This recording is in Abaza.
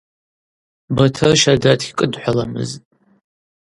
Батыр щарда дгькӏыдхӏваламызтӏ.